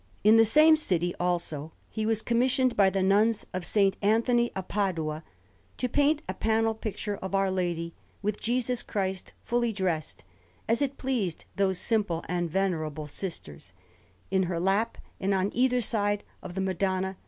In the same city, also, he was commissioned by the Nuns of S. Anthony of Padua to paint a panel picture of Our Lady, with Jesus Christ fully dressed, as it pleased those simple and venerable sisters, in her lap, and on either side of the Madonna S.